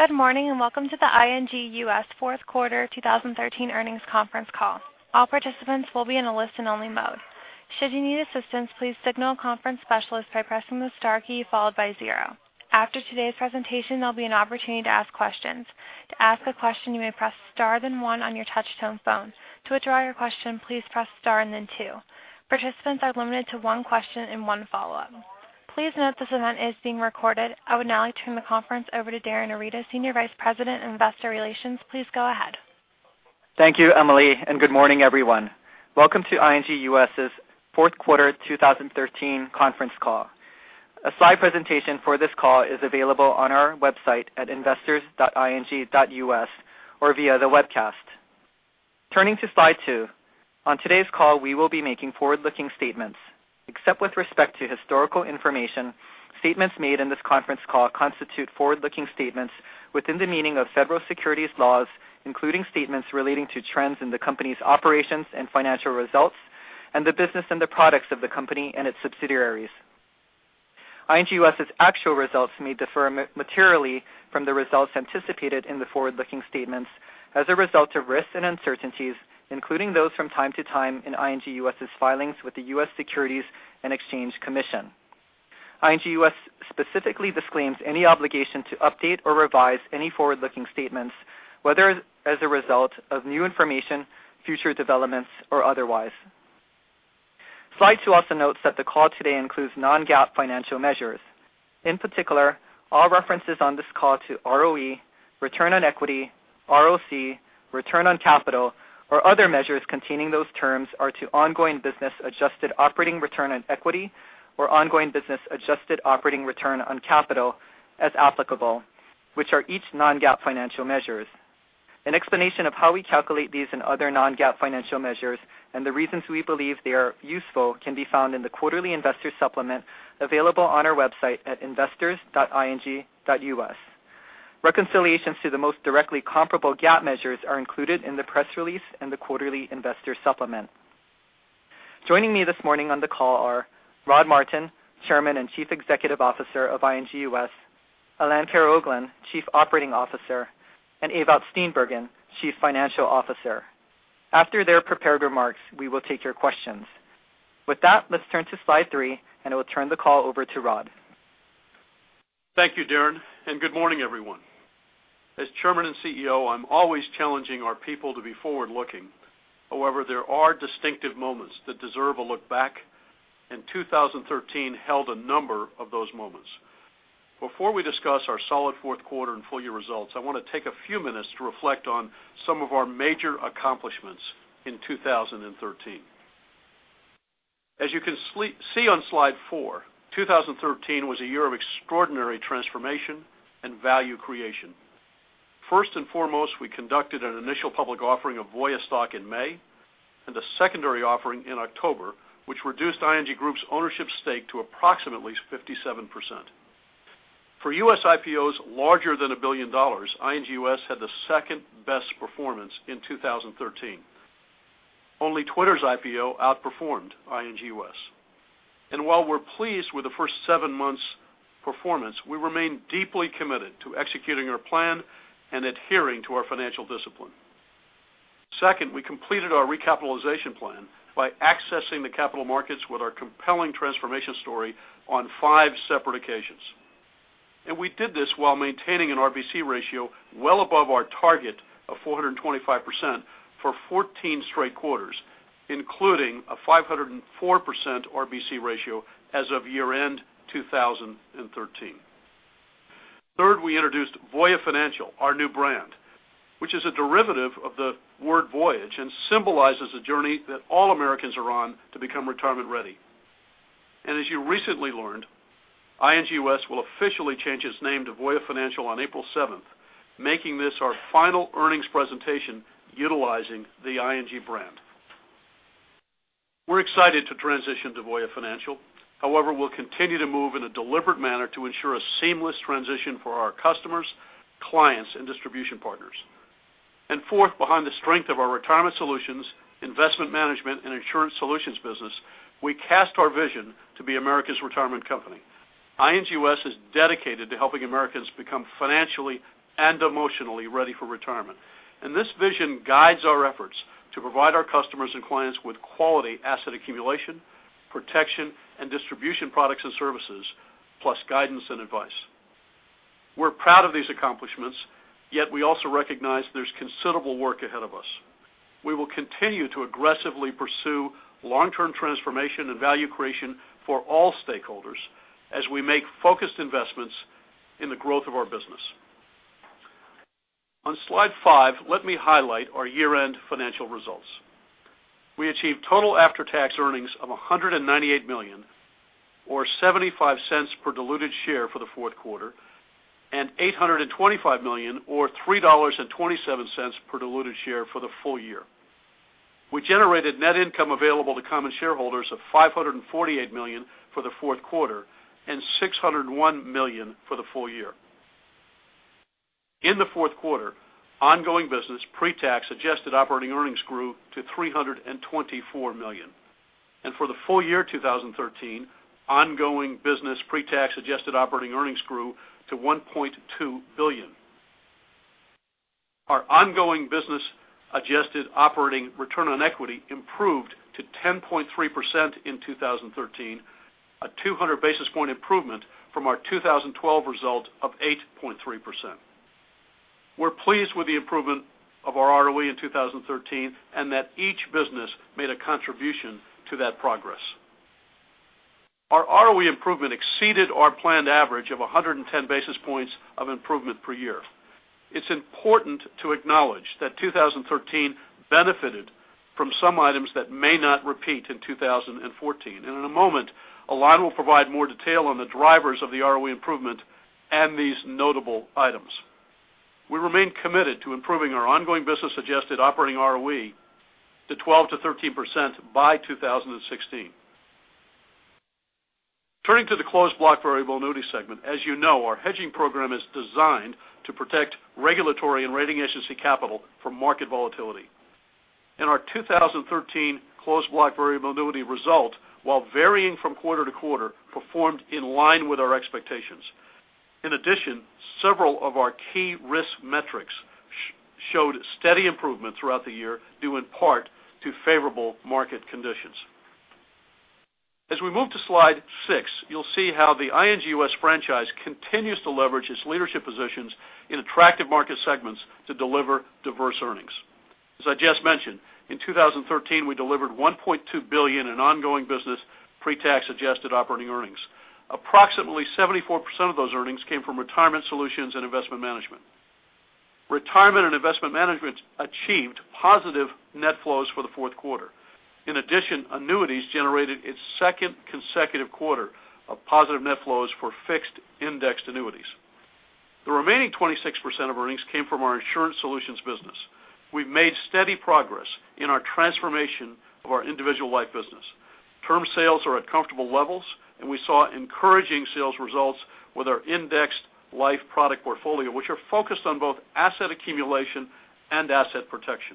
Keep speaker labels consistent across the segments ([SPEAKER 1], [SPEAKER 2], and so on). [SPEAKER 1] Good morning. Welcome to the ING U.S. fourth quarter 2013 earnings conference call. All participants will be in a listen-only mode. Should you need assistance, please signal a conference specialist by pressing the star key followed by zero. After today's presentation, there will be an opportunity to ask questions. To ask a question, you may press star then one on your touch-tone phone. To withdraw your question, please press star and then two. Participants are limited to one question and one follow-up. Please note this event is being recorded. I would now like to turn the conference over to Darin Arita, Senior Vice President of Investor Relations. Please go ahead.
[SPEAKER 2] Thank you, Emily. Good morning, everyone. Welcome to ING U.S.'s fourth quarter 2013 conference call. A slide presentation for this call is available on our website at investors.ing.us or via the webcast. Turning to slide two. On today's call, we will be making forward-looking statements. Except with respect to historical information, statements made in this conference call constitute forward-looking statements within the meaning of federal securities laws, including statements relating to trends in the company's operations and financial results and the business and the products of the company and its subsidiaries. ING U.S.'s actual results may differ materially from the results anticipated in the forward-looking statements as a result of risks and uncertainties, including those from time to time in ING U.S.'s filings with the U.S. Securities and Exchange Commission. ING U.S. ING U.S. specifically disclaims any obligation to update or revise any forward-looking statements, whether as a result of new information, future developments, or otherwise. Slide two also notes that the call today includes non-GAAP financial measures. In particular, all references on this call to ROE, return on equity, ROC, return on capital, or other measures containing those terms are to ongoing business adjusted operating return on equity or ongoing business adjusted operating return on capital as applicable, which are each non-GAAP financial measures. An explanation of how we calculate these and other non-GAAP financial measures and the reasons we believe they are useful can be found in the quarterly investor supplement available on our website at investors.ing.us. Reconciliations to the most directly comparable GAAP measures are included in the press release and the quarterly investor supplement. Joining me this morning on the call are Rod Martin, Chairman and Chief Executive Officer of ING U.S., Alain Karaoglan, Chief Operating Officer, and Ewout Steenbergen, Chief Financial Officer. After their prepared remarks, we will take your questions. With that, let's turn to slide three. I will turn the call over to Rod.
[SPEAKER 3] Thank you, Darin, and good morning, everyone. As Chairman and CEO, I'm always challenging our people to be forward-looking. However, there are distinctive moments that deserve a look back, and 2013 held a number of those moments. Before we discuss our solid fourth quarter and full-year results, I want to take a few minutes to reflect on some of our major accomplishments in 2013. As you can see on slide four, 2013 was a year of extraordinary transformation and value creation. First and foremost, we conducted an initial public offering of Voya stock in May and a secondary offering in October, which reduced ING Group's ownership stake to approximately 57%. For U.S. IPOs larger than $1 billion, ING U.S. had the second-best performance in 2013. Only Twitter's IPO outperformed ING U.S. While we're pleased with the first seven months' performance, we remain deeply committed to executing our plan and adhering to our financial discipline. Second, we completed our recapitalization plan by accessing the capital markets with our compelling transformation story on five separate occasions. We did this while maintaining an RBC ratio well above our target of 425% for 14 straight quarters, including a 504% RBC ratio as of year-end 2013. Third, we introduced Voya Financial, our new brand, which is a derivative of the word voyage and symbolizes a journey that all Americans are on to become retirement-ready. As you recently learned, ING U.S. will officially change its name to Voya Financial on April 7th, making this our final earnings presentation utilizing the ING brand. We're excited to transition to Voya Financial. However, we'll continue to move in a deliberate manner to ensure a seamless transition for our customers, clients, and distribution partners. Fourth, behind the strength of our Retirement Solutions, Investment Management, and Insurance Solutions business, we cast our vision to be America's retirement company. ING U.S. is dedicated to helping Americans become financially and emotionally ready for retirement. This vision guides our efforts to provide our customers and clients with quality asset accumulation, protection, and distribution products and services, plus guidance and advice. We're proud of these accomplishments, yet we also recognize there's considerable work ahead of us. We will continue to aggressively pursue long-term transformation and value creation for all stakeholders as we make focused investments in the growth of our business. On slide five, let me highlight our year-end financial results. We achieved total after-tax earnings of $198 million, or $0.75 per diluted share for the fourth quarter, and $825 million, or $3.27 per diluted share for the full year. We generated net income available to common shareholders of $548 million for the fourth quarter and $601 million for the full year. In the fourth quarter, ongoing business pre-tax adjusted operating earnings grew to $324 million. For the full year 2013, ongoing business pre-tax adjusted operating earnings grew to $1.2 billion. Our ongoing business adjusted operating return on equity improved to 10.3% in 2013, a 200 basis point improvement from our 2012 result of 8.3%. We're pleased with the improvement of our ROE in 2013, that each business made a contribution to that progress. Our ROE improvement exceeded our planned average of 110 basis points of improvement per year. It's important to acknowledge that 2013 benefited from some items that may not repeat in 2014. In a moment, Alain will provide more detail on the drivers of the ROE improvement and these notable items. We remain committed to improving our ongoing business-adjusted operating ROE to 12%-13% by 2016. Turning to the Closed Block Variable Annuity segment, as you know, our hedging program is designed to protect regulatory and rating agency capital from market volatility. Our 2013 Closed Block Variable Annuity result, while varying quarter-to-quarter, performed in line with our expectations. In addition, several of our key risk metrics showed steady improvement throughout the year, due in part to favorable market conditions. As we move to slide six, you'll see how the ING U.S. franchise continues to leverage its leadership positions in attractive market segments to deliver diverse earnings. As I just mentioned, in 2013, we delivered $1.2 billion in ongoing business pre-tax adjusted operating earnings. Approximately 74% of those earnings came from Retirement Solutions and Investment Management. Retirement and Investment Management achieved positive net flows for the fourth quarter. In addition, annuities generated its second consecutive quarter of positive net flows for fixed indexed annuities. The remaining 26% of earnings came from our Insurance Solutions business. We've made steady progress in our transformation of our Individual Life business. Term sales are at comfortable levels, and we saw encouraging sales results with our Indexed Universal Life product portfolio, which are focused on both asset accumulation and asset protection.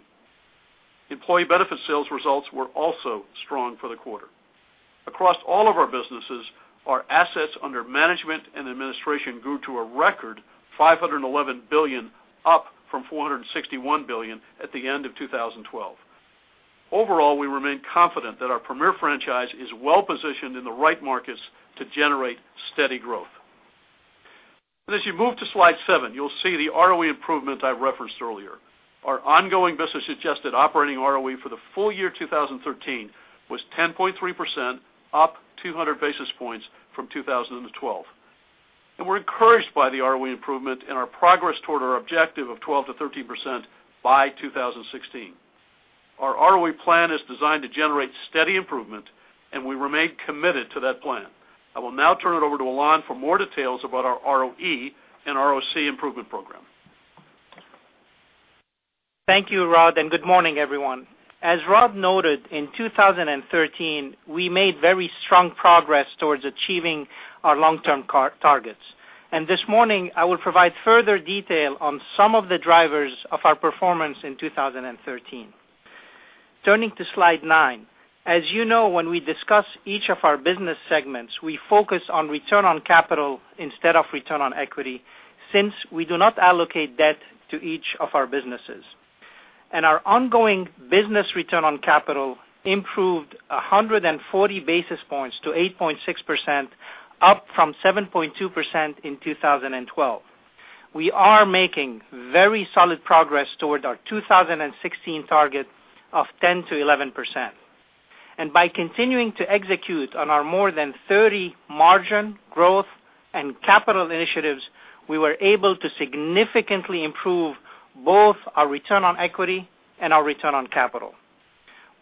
[SPEAKER 3] Employee Benefits sales results were also strong for the quarter. Across all of our businesses, our assets under management and administration grew to a record $511 billion, up from $461 billion at the end of 2012. Overall, we remain confident that our premier franchise is well-positioned in the right markets to generate steady growth. As you move to slide seven, you'll see the ROE improvement I referenced earlier. Our ongoing business-adjusted operating ROE for the full year 2013 was 10.3%, up 200 basis points from 2012. We're encouraged by the ROE improvement and our progress toward our objective of 12%-13% by 2016. Our ROE plan is designed to generate steady improvement. We remain committed to that plan. I will now turn it over to Alain for more details about our ROE and ROC improvement program.
[SPEAKER 4] Thank you, Rod, good morning, everyone. As Rod noted, in 2013, we made very strong progress towards achieving our long-term targets. This morning, I will provide further detail on some of the drivers of our performance in 2013. Turning to slide nine. As you know, when we discuss each of our business segments, we focus on return on capital instead of return on equity, since we do not allocate debt to each of our businesses. Our ongoing business return on capital improved 140 basis points to 8.6%, up from 7.2% in 2012. We are making very solid progress toward our 2016 target of 10%-11%. By continuing to execute on our more than 30 margin growth and capital initiatives, we were able to significantly improve both our return on equity and our return on capital.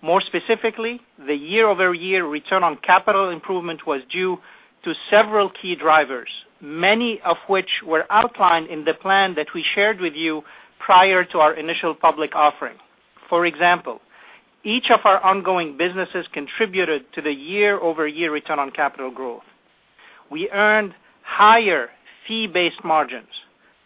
[SPEAKER 4] More specifically, the year-over-year return on capital improvement was due to several key drivers, many of which were outlined in the plan that we shared with you prior to our initial public offering. For example, each of our ongoing businesses contributed to the year-over-year return on capital growth. We earned higher fee-based margins.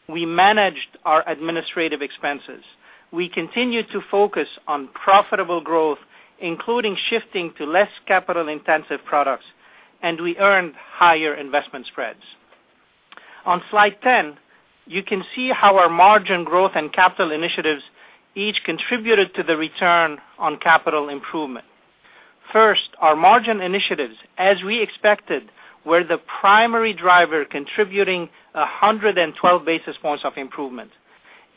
[SPEAKER 4] We managed our administrative expenses. We continued to focus on profitable growth, including shifting to less capital-intensive products, and we earned higher investment spreads. On slide 10, you can see how our margin growth and capital initiatives each contributed to the return on capital improvement. First, our margin initiatives, as we expected, were the primary driver contributing 112 basis points of improvement.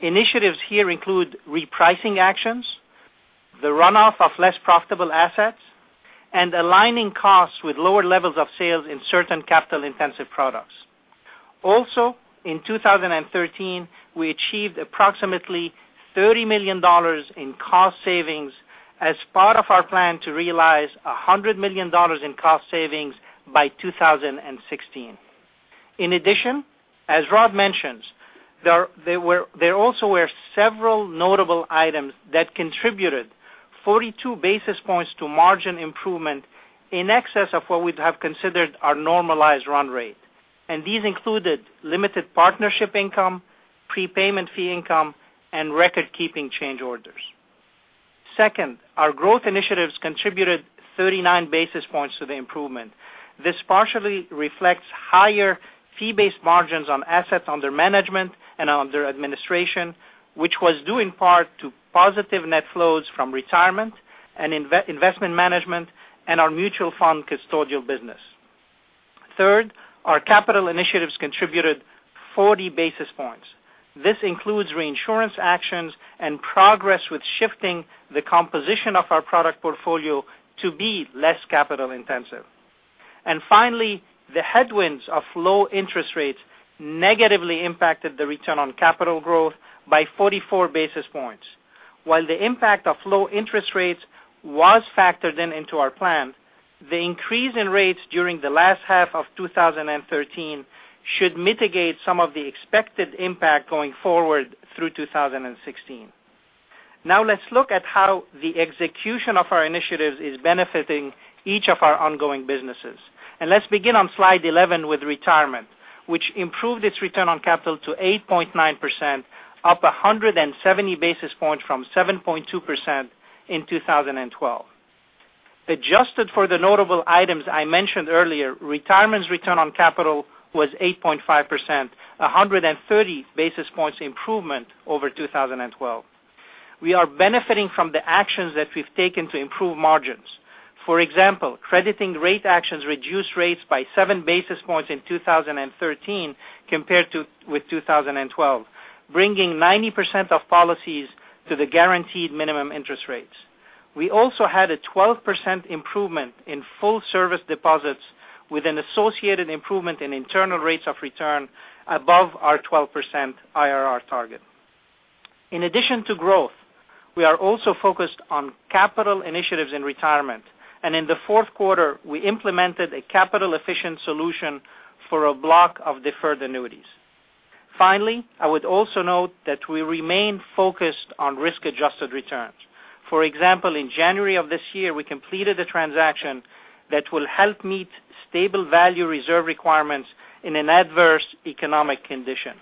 [SPEAKER 4] Initiatives here include repricing actions, the runoff of less profitable assets, and aligning costs with lower levels of sales in certain capital-intensive products. Also, in 2013, we achieved approximately $30 million in cost savings as part of our plan to realize $100 million in cost savings by 2016. In addition, as Rod mentioned, there also were several notable items that contributed 42 basis points to margin improvement in excess of what we'd have considered our normalized run rate. These included limited partnership income, prepayment fee income, and record-keeping change orders. Second, our growth initiatives contributed 39 basis points to the improvement. This partially reflects higher fee-based margins on assets under management and under administration, which was due in part to positive net flows from Retirement and Investment Management and our mutual fund custodial business. Third, our capital initiatives contributed 40 basis points. This includes reinsurance actions and progress with shifting the composition of our product portfolio to be less capital-intensive. Finally, the headwinds of low interest rates negatively impacted the return on capital growth by 44 basis points. While the impact of low interest rates was factored into our plan, the increase in rates during the last half of 2013 should mitigate some of the expected impact going forward through 2016. Now let's look at how the execution of our initiatives is benefiting each of our ongoing businesses. Let's begin on slide 11 with Retirement, which improved its return on capital to 8.9%, up 170 basis points from 7.2% in 2012. Adjusted for the notable items I mentioned earlier, Retirement's return on capital was 8.5%, 130 basis points improvement over 2012. We are benefiting from the actions that we've taken to improve margins. For example, crediting rate actions reduced rates by seven basis points in 2013 compared with 2012, bringing 90% of policies to the guaranteed minimum interest rates. We also had a 12% improvement in full-service deposits with an associated improvement in internal rates of return above our 12% IRR target. In addition to growth, we are also focused on capital initiatives in Retirement, and in the fourth quarter, we implemented a capital-efficient solution for a block of deferred annuities. Finally, I would also note that we remain focused on risk-adjusted returns. For example, in January of this year, we completed a transaction that will help meet stable value reserve requirements in an adverse economic condition.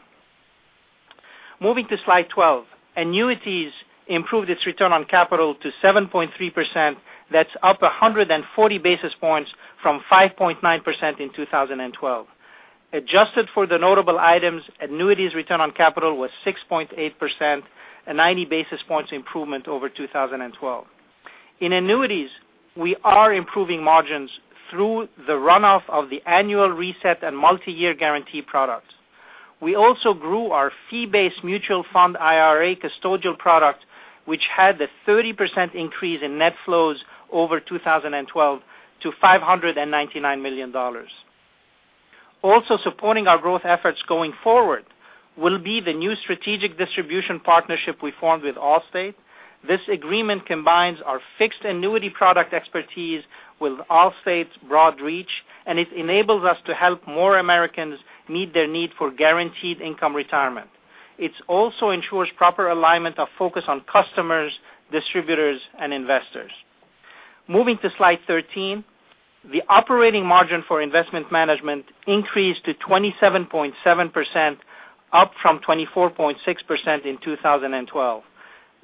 [SPEAKER 4] Moving to slide 12, Annuities improved its return on capital to 7.3%. That's up 140 basis points from 5.9% in 2012. Adjusted for the notable items, Annuities' return on capital was 6.8%, a 90 basis points improvement over 2012. In Annuities, we are improving margins through the runoff of the annual reset and multi-year guarantee products. We also grew our fee-based mutual fund IRA custodial product, which had a 30% increase in net flows over 2012 to $599 million. Supporting our growth efforts going forward will be the new strategic distribution partnership we formed with Allstate. This agreement combines our fixed annuity product expertise with Allstate's broad reach, and it enables us to help more Americans meet their need for guaranteed income retirement. It also ensures proper alignment of focus on customers, distributors, and investors. Moving to slide 13. The operating margin for Investment Management increased to 27.7%, up from 24.6% in 2012.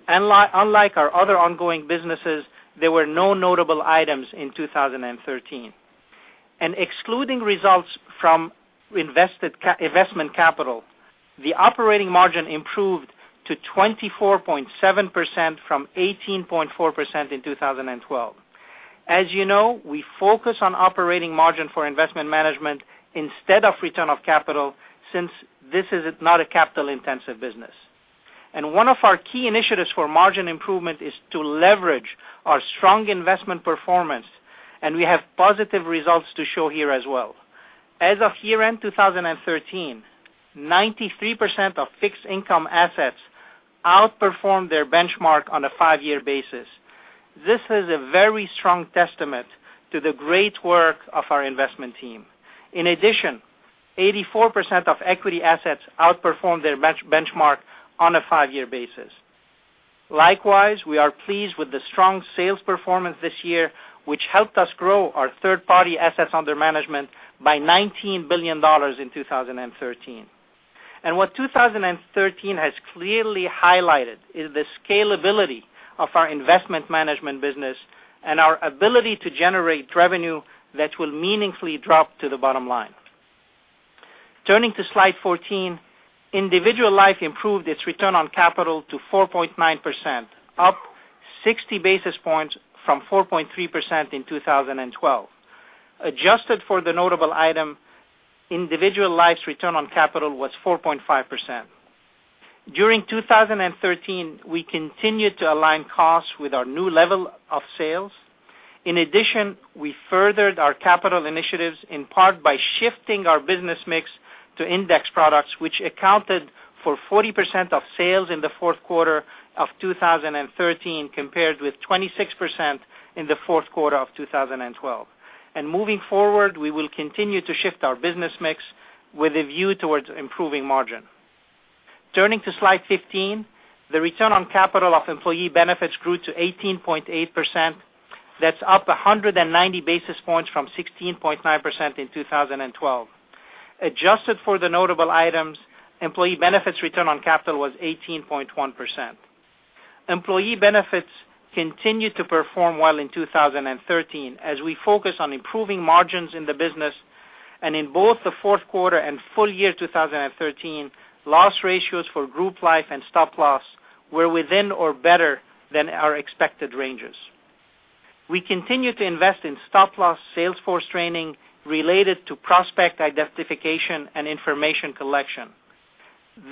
[SPEAKER 4] Unlike our other ongoing businesses, there were no notable items in 2013. Excluding results from investment capital, the operating margin improved to 24.7% from 18.4% in 2012. As you know, we focus on operating margin for Investment Management instead of return of capital, since this is not a capital-intensive business. One of our key initiatives for margin improvement is to leverage our strong investment performance, and we have positive results to show here as well. As of year-end 2013, 93% of fixed income assets outperformed their benchmark on a five-year basis. This is a very strong testament to the great work of our investment team. In addition, 84% of equity assets outperformed their benchmark on a five-year basis. Likewise, we are pleased with the strong sales performance this year, which helped us grow our third-party assets under management by $19 billion in 2013. What 2013 has clearly highlighted is the scalability of our Investment Management business and our ability to generate revenue that will meaningfully drop to the bottom line. Turning to slide 14. Individual Life improved its return on capital to 4.9%, up 60 basis points from 4.3% in 2012. Adjusted for the notable item, Individual Life's return on capital was 4.5%. During 2013, we continued to align costs with our new level of sales. In addition, we furthered our capital initiatives in part by shifting our business mix to index products, which accounted for 40% of sales in the fourth quarter of 2013, compared with 26% in the fourth quarter of 2012. Moving forward, we will continue to shift our business mix with a view towards improving margin. Turning to slide 15. The return on capital of Employee Benefits grew to 18.8%. That's up 190 basis points from 16.9% in 2012. Adjusted for the notable items, Employee Benefits' return on capital was 18.1%. Employee Benefits continued to perform well in 2013 as we focus on improving margins in the business. In both the fourth quarter and full year 2013, loss ratios for group life and stop loss were within or better than our expected ranges. We continue to invest in stop loss sales force training related to prospect identification and information collection.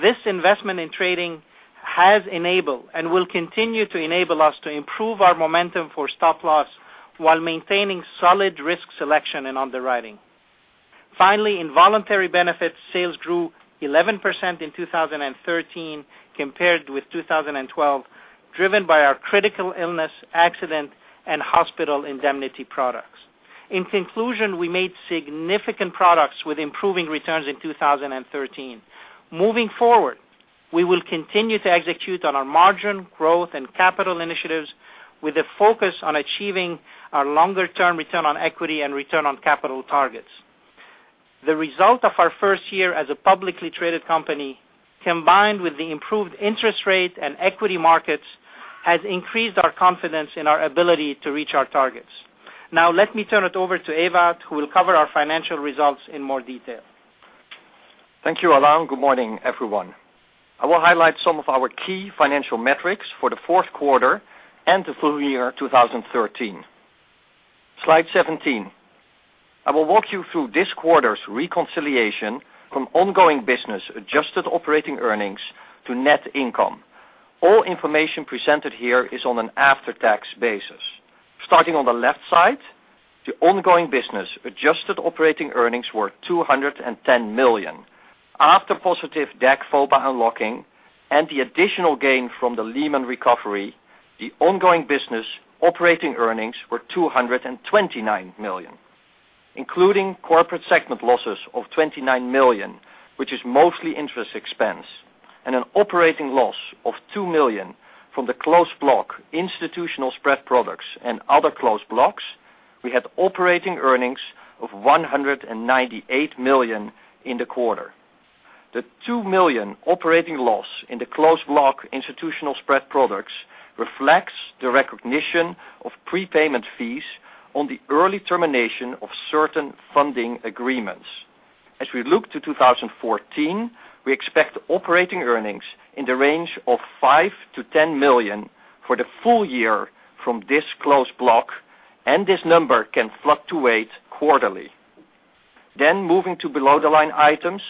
[SPEAKER 4] This investment in training has enabled and will continue to enable us to improve our momentum for stop loss while maintaining solid risk selection and underwriting. Finally, in voluntary benefits, sales grew 11% in 2013 compared with 2012, driven by our critical illness, accident, and hospital indemnity products. In conclusion, we made significant progress with improving returns in 2013. Moving forward, we will continue to execute on our margin growth and capital initiatives with a focus on achieving our longer-term return on equity and return on capital targets. The result of our first year as a publicly traded company, combined with the improved interest rate and equity markets, has increased our confidence in our ability to reach our targets. Let me turn it over to Ewout, who will cover our financial results in more detail.
[SPEAKER 5] Thank you, Alain. Good morning, everyone. I will highlight some of our key financial metrics for the fourth quarter and the full year 2013. Slide 17. I will walk you through this quarter's reconciliation from ongoing business adjusted operating earnings to net income. All information presented here is on an after-tax basis. Starting on the left side, the ongoing business adjusted operating earnings were $210 million. After positive DAC/VOBA unlocking and the additional gain from the Lehman recovery, the ongoing business operating earnings were $229 million. Including corporate segment losses of $29 million, which is mostly interest expense, and an operating loss of $2 million from the closed block institutional spread products and other closed blocks, we had operating earnings of $198 million in the quarter. The $2 million operating loss in the closed block institutional spread products reflects the recognition of prepayment fees on the early termination of certain funding agreements. As we look to 2014, we expect operating earnings in the range of $5 million to $10 million for the full year from this closed block, and this number can fluctuate quarterly. Moving to below the line items,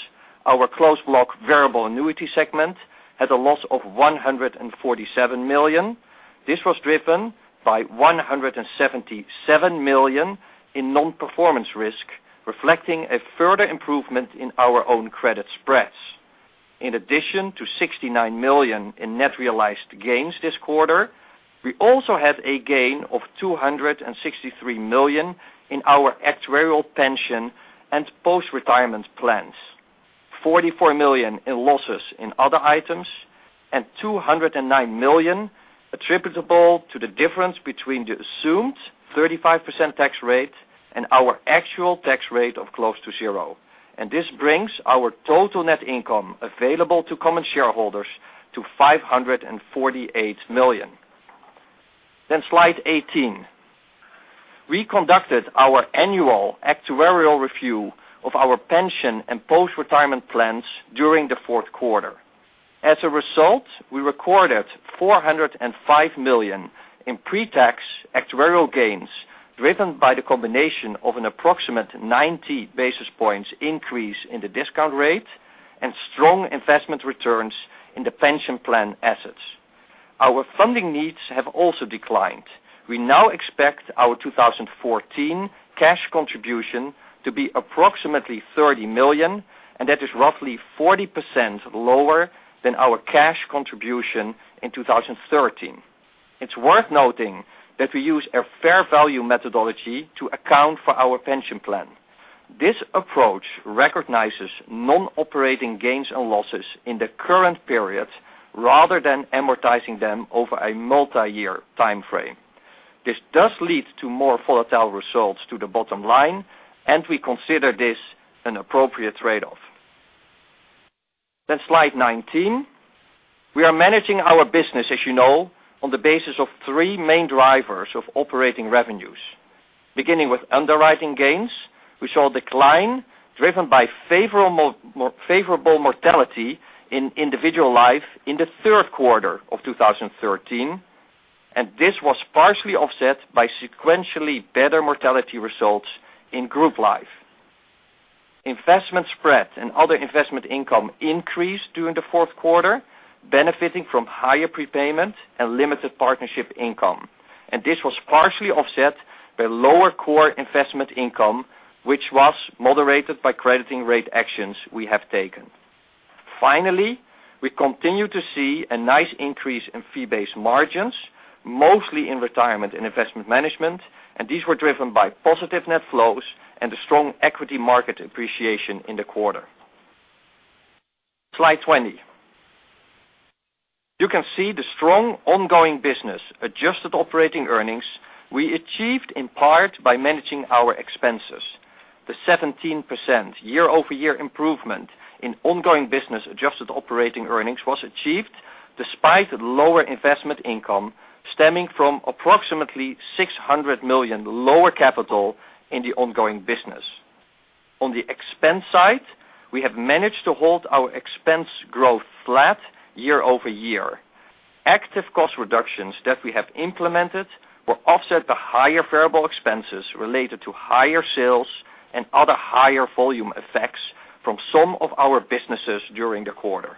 [SPEAKER 5] our Closed Block Variable Annuity segment had a loss of $147 million. This was driven by $177 million in non-performance risk, reflecting a further improvement in our own credit spreads. In addition to $69 million in net realized gains this quarter, we also had a gain of $263 million in our actuarial pension and post-retirement plans, $44 million in losses in other items, and $209 million attributable to the difference between the assumed 35% tax rate and our actual tax rate of close to zero. This brings our total net income available to common shareholders to $548 million. Slide 18. We conducted our annual actuarial review of our pension and post-retirement plans during the fourth quarter. As a result, we recorded $405 million in pre-tax actuarial gains, driven by the combination of an approximate 90 basis points increase in the discount rate and strong investment returns in the pension plan assets. Our funding needs have also declined. We now expect our 2014 cash contribution to be approximately $30 million, and that is roughly 40% lower than our cash contribution in 2013. It's worth noting that we use a fair value methodology to account for our pension plan. This approach recognizes non-operating gains and losses in the current period rather than amortizing them over a multi-year timeframe. This does lead to more volatile results to the bottom line. We consider this an appropriate trade-off. Slide 19. We are managing our business, as you know, on the basis of three main drivers of operating revenues. Beginning with underwriting gains, we saw a decline driven by favorable mortality in individual life in the third quarter of 2013. This was partially offset by sequentially better mortality results in group life. Investment spread and other investment income increased during the fourth quarter, benefiting from higher prepayment and limited partnership income. This was partially offset by lower core investment income, which was moderated by crediting rate actions we have taken. Finally, we continue to see a nice increase in fee-based margins, mostly in Retirement and Investment Management. These were driven by positive net flows and a strong equity market appreciation in the quarter. Slide 20. You can see the strong ongoing business adjusted operating earnings we achieved in part by managing our expenses. The 17% year-over-year improvement in ongoing business adjusted operating earnings was achieved despite lower investment income stemming from approximately $600 million lower capital in the ongoing business. On the expense side, we have managed to hold our expense growth flat year-over-year. Active cost reductions that we have implemented will offset the higher variable expenses related to higher sales and other higher volume effects from some of our businesses during the quarter.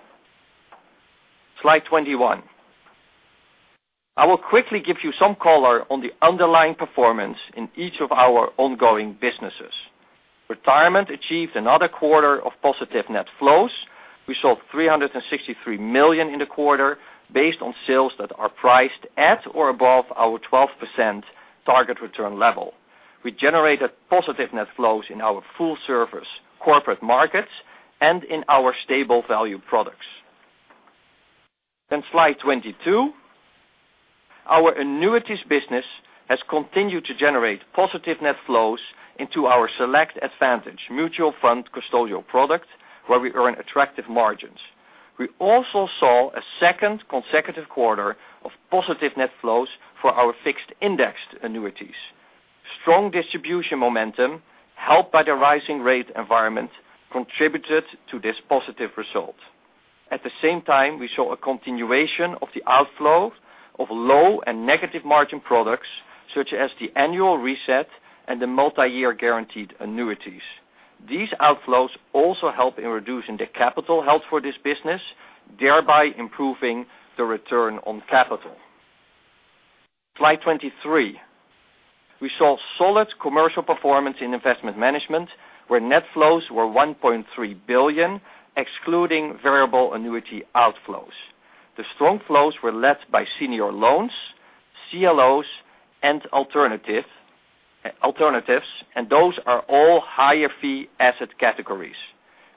[SPEAKER 5] Slide 21. I will quickly give you some color on the underlying performance in each of our ongoing businesses. Retirement achieved another quarter of positive net flows. We saw $363 million in the quarter based on sales that are priced at or above our 12% target return level. We generated positive net flows in our full-service corporate markets and in our stable value products. Slide 22. Our annuities business has continued to generate positive net flows into our Voya Select Advantage mutual fund custodial product, where we earn attractive margins. We also saw a second consecutive quarter of positive net flows for our fixed indexed annuities. Strong distribution momentum, helped by the rising rate environment, contributed to this positive result. At the same time, we saw a continuation of the outflow of low and negative margin products, such as the annual reset and the multi-year guarantee annuities. These outflows also help in reducing the capital held for this business, thereby improving the return on capital. Slide 23. We saw solid commercial performance in Investment Management, where net flows were $1.3 billion, excluding variable annuity outflows. The strong flows were led by senior loans, CLOs, and alternatives. Those are all higher fee asset categories.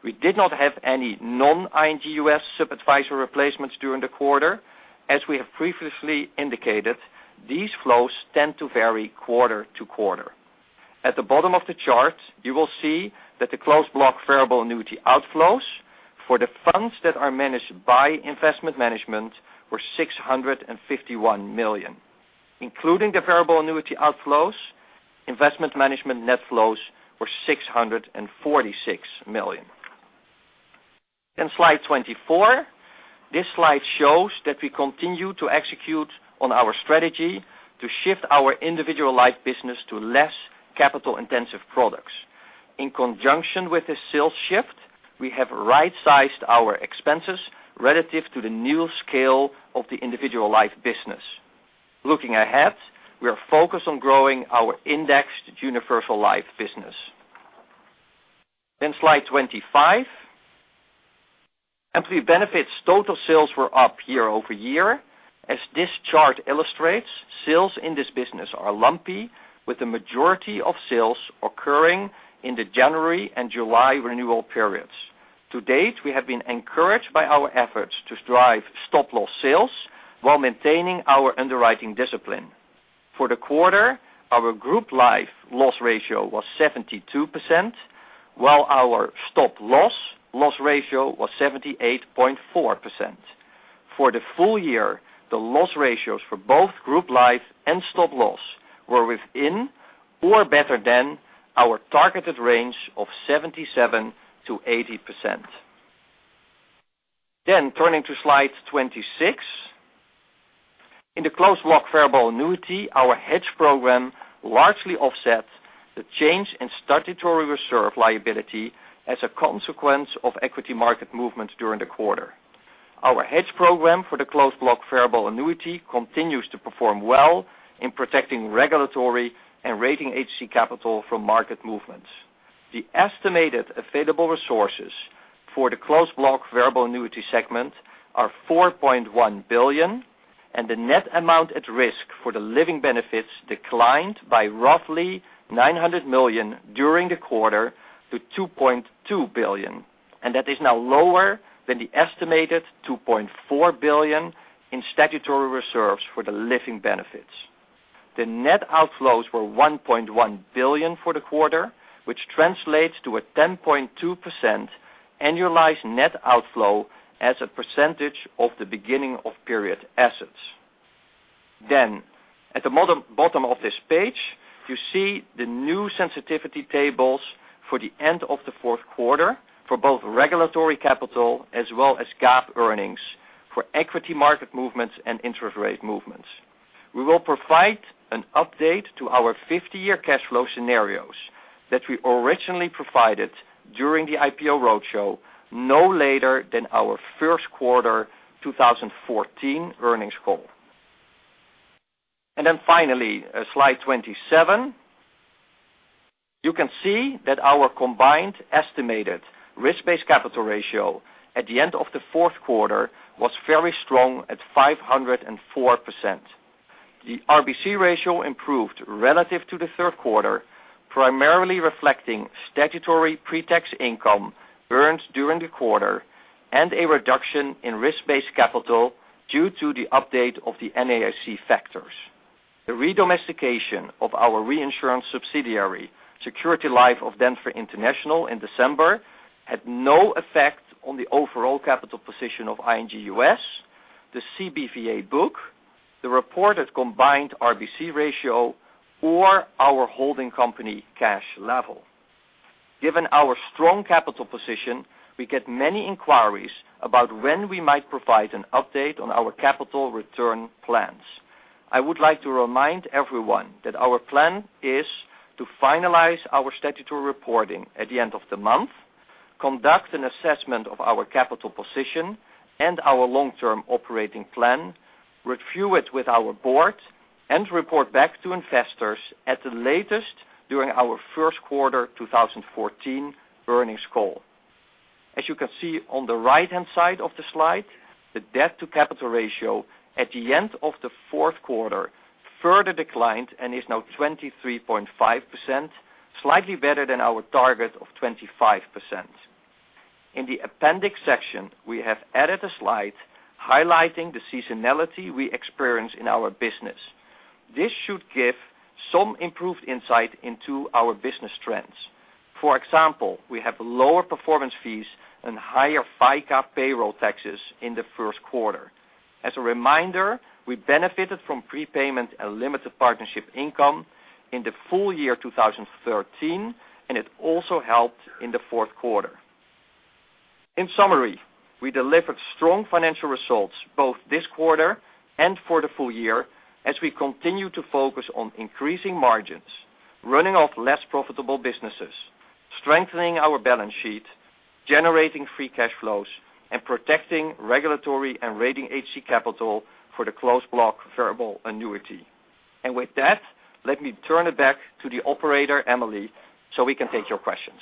[SPEAKER 5] We did not have any non-ING U.S. sub-advisory replacements during the quarter. As we have previously indicated, these flows tend to vary quarter-to-quarter. At the bottom of the chart, you will see that the Closed Block Variable Annuity outflows for the funds that are managed by Investment Management were $651 million. Including the variable annuity outflows, Investment Management net flows were $646 million. Slide 24. This slide shows that we continue to execute on our strategy to shift our individual life business to less capital-intensive products. In conjunction with this sales shift, we have right-sized our expenses relative to the new scale of the individual life business. Looking ahead, we are focused on growing our Indexed Universal Life business. Slide 25. Employee benefits total sales were up year-over-year. As this chart illustrates, sales in this business are lumpy, with the majority of sales occurring in the January and July renewal periods. To date, we have been encouraged by our efforts to drive stop-loss sales while maintaining our underwriting discipline. For the quarter, our group life loss ratio was 72%, while our stop-loss loss ratio was 78.4%. For the full year, the loss ratios for both group life and stop-loss were within or better than our targeted range of 77%-80%. Turning to slide 26. In the Closed Block Variable Annuity, our hedge program largely offset the change in statutory reserve liability as a consequence of equity market movements during the quarter. Our hedge program for the Closed Block Variable Annuity continues to perform well in protecting regulatory and rating agency capital from market movements. The estimated available resources for the Closed Block Variable Annuity segment are $4.1 billion, the net amount at risk for the living benefits declined by roughly $900 million during the quarter to $2.2 billion. That is now lower than the estimated $2.4 billion in statutory reserves for the living benefits. The net outflows were $1.1 billion for the quarter, which translates to a 10.2% annualized net outflow as a percentage of the beginning of period assets. At the bottom of this page, you see the new sensitivity tables for the end of the fourth quarter for both regulatory capital as well as GAAP earnings for equity market movements and interest rate movements. We will provide an update to our 50-year cash flow scenarios that we originally provided during the IPO roadshow no later than our first quarter 2014 earnings call. Finally, slide 27. You can see that our combined estimated risk-based capital ratio at the end of the fourth quarter was very strong at 504%. The RBC ratio improved relative to the third quarter, primarily reflecting statutory pre-tax income earned during the quarter and a reduction in risk-based capital due to the update of the NAIC factors. The re-domestication of our reinsurance subsidiary, Security Life of Denver International in December, had no effect on the overall capital position of ING U.S., the CBVA book, the reported combined RBC ratio or our holding company cash level. Given our strong capital position, we get many inquiries about when we might provide an update on our capital return plans. I would like to remind everyone that our plan is to finalize our statutory reporting at the end of the month, conduct an assessment of our capital position and our long-term operating plan, review it with our board, and report back to investors at the latest during our first quarter 2014 earnings call. As you can see on the right-hand side of the slide, the debt-to-capital ratio at the end of the fourth quarter further declined and is now 23.5%, slightly better than our target of 25%. In the appendix section, we have added a slide highlighting the seasonality we experience in our business. This should give some improved insight into our business trends. For example, we have lower performance fees and higher FICA payroll taxes in the first quarter. As a reminder, we benefited from prepayment and limited partnership income in the full year 2013, and it also helped in the fourth quarter. In summary, we delivered strong financial results both this quarter and for the full year as we continue to focus on increasing margins, running off less profitable businesses, strengthening our balance sheet, generating free cash flows, and protecting regulatory and rating agency capital for the Closed Block Variable Annuity. With that, let me turn it back to the operator, Emily, so we can take your questions.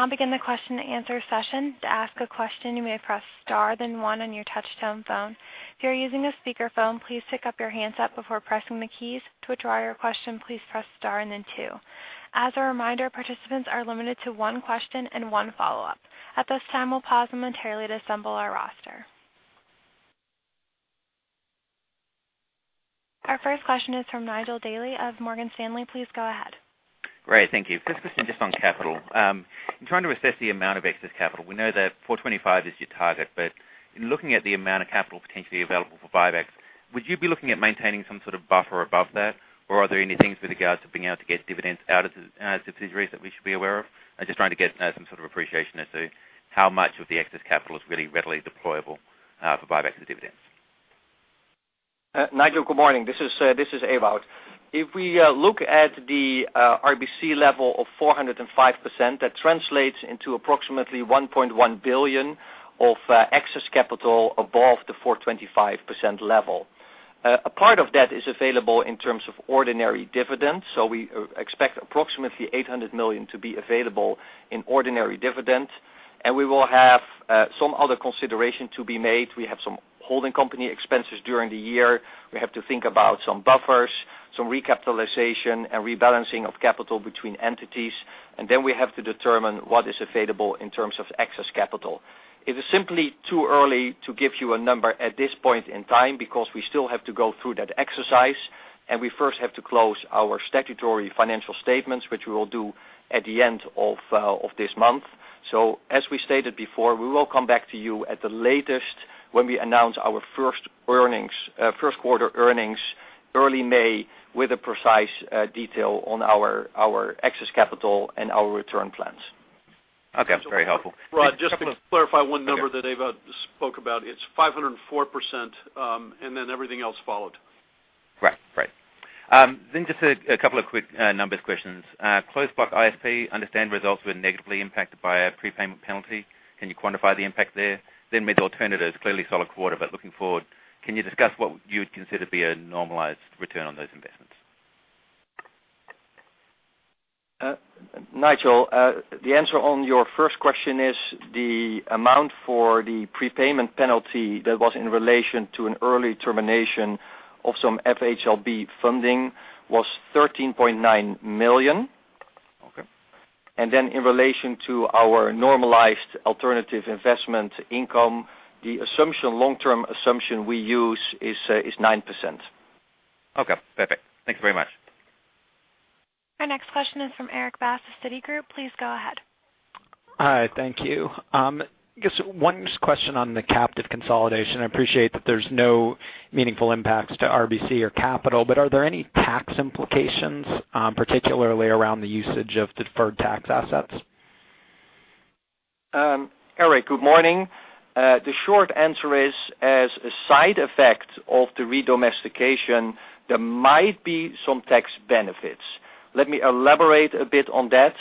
[SPEAKER 1] I'll begin the question and answer session. To ask a question, you may press star then one on your touchtone phone. If you are using a speakerphone, please pick up your handset before pressing the keys. To withdraw your question, please press star and then two. As a reminder, participants are limited to one question and one follow-up. At this time, we'll pause momentarily to assemble our roster. Our first question is from Nigel D'Eny of Morgan Stanley. Please go ahead.
[SPEAKER 6] Great. Thank you. First question just on capital. In trying to assess the amount of excess capital, we know that 425 is your target, but in looking at the amount of capital potentially available for buybacks, would you be looking at maintaining some sort of buffer above that? Are there any things with regards to being able to get dividends out of subsidiaries that we should be aware of? I'm just trying to get some sort of appreciation as to how much of the excess capital is really readily deployable for buybacks and dividends.
[SPEAKER 5] Nigel, good morning. This is Ewout. If we look at the RBC level of 405%, that translates into approximately $1.1 billion of excess capital above the 425% level. A part of that is available in terms of ordinary dividends. We expect approximately $800 million to be available in ordinary dividends, and we will have some other consideration to be made. We have some holding company expenses during the year. We have to think about some buffers, some recapitalization and rebalancing of capital between entities, then we have to determine what is available in terms of excess capital. It is simply too early to give you a number at this point in time because we still have to go through that exercise, and we first have to close our statutory financial statements, which we will do at the end of this month. As we stated before, we will come back to you at the latest when we announce our first quarter earnings early May with a precise detail on our excess capital and our return plans.
[SPEAKER 6] Okay. Very helpful.
[SPEAKER 3] Rod, just to clarify one number that Ewout spoke about, it's 504%, and then everything else followed.
[SPEAKER 6] Right. Just a couple of quick numbers questions. Closed block ISP, understand results were negatively impacted by a prepayment penalty. Can you quantify the impact there? Mid alternatives, clearly solid quarter, but looking forward, can you discuss what you would consider to be a normalized return on those investments?
[SPEAKER 5] Nigel, the answer on your first question is the amount for the prepayment penalty that was in relation to an early termination of some FHLB funding was $13.9 million.
[SPEAKER 6] Okay.
[SPEAKER 5] Then in relation to our normalized alternative investment income, the long-term assumption we use is 9%.
[SPEAKER 6] Okay, perfect. Thank you very much.
[SPEAKER 1] Our next question is from Erik Bass of Citigroup. Please go ahead.
[SPEAKER 7] Hi. Thank you. Just one question on the captive consolidation. I appreciate that there's no meaningful impacts to RBC or capital, but are there any tax implications, particularly around the usage of Deferred Tax Assets?
[SPEAKER 5] Erik, good morning. The short answer is, as a side effect of the re-domestication, there might be some tax benefits. Let me elaborate a bit on that.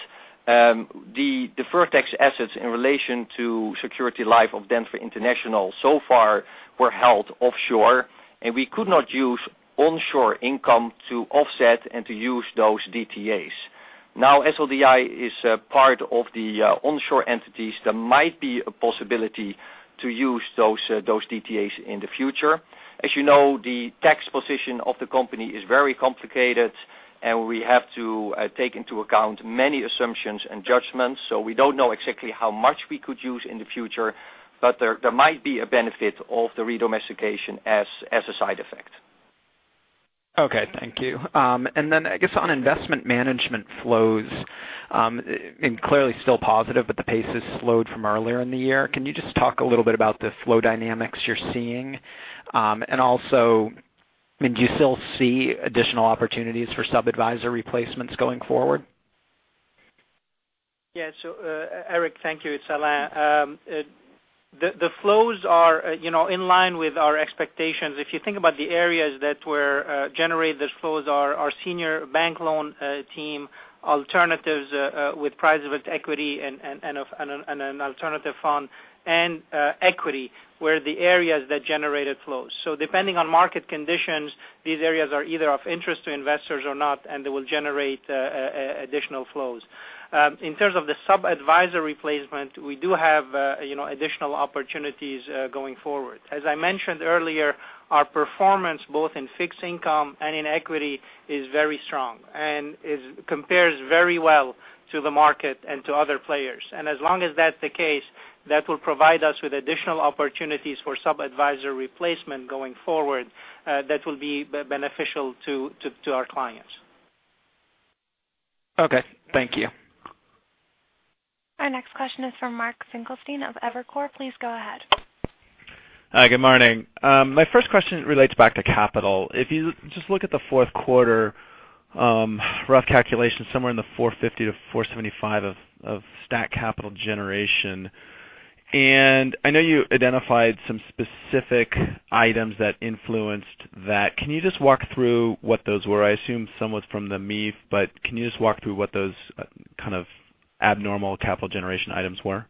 [SPEAKER 5] The Deferred Tax Assets in relation to Security Life of Denver International so far were held offshore, and we could not use onshore income to offset and to use those DTAs. Now SLDI is part of the onshore entities. There might be a possibility to use those DTAs in the future. As you know, the tax position of the company is very complicated, and we have to take into account many assumptions and judgments. We do not know exactly how much we could use in the future, but there might be a benefit of the redomestication as a side effect.
[SPEAKER 7] Okay, thank you. I guess on Investment Management flows, clearly still positive, but the pace has slowed from earlier in the year. Can you just talk a little bit about the flow dynamics you're seeing? Do you still see additional opportunities for sub-adviser replacements going forward?
[SPEAKER 4] Yeah. Erik, thank you. It's Alain. The flows are in line with our expectations. If you think about the areas that generate those flows are our senior bank loan team, alternatives with private equity and an alternative fund, and equity were the areas that generated flows. Depending on market conditions, these areas are either of interest to investors or not, and they will generate additional flows. In terms of the sub-adviser replacement, we do have additional opportunities going forward. As I mentioned earlier, our performance, both in fixed income and in equity, is very strong and it compares very well to the market and to other players. As long as that's the case, that will provide us with additional opportunities for sub-adviser replacement going forward that will be beneficial to our clients.
[SPEAKER 7] Okay, thank you.
[SPEAKER 1] Our next question is from Mark Finkelstein of Evercore. Please go ahead.
[SPEAKER 8] Hi, good morning. My first question relates back to capital. If you just look at the fourth quarter, rough calculation, somewhere in the $450-$475 of stat capital generation. I know you identified some specific items that influenced that. Can you just walk through what those were? I assume some was from the MIV, but can you just walk through what those kind of abnormal capital generation items were?